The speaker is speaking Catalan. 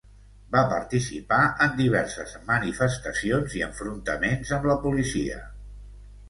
Va participar en diverses manifestacions i enfrontaments amb la policia.